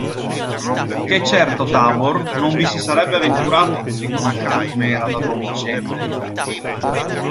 Ché certo Tabor non vi si sarebbe avventurato così conosciuto com'era da don Viciente.